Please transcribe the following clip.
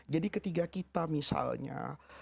jadi ketiga kita misalnya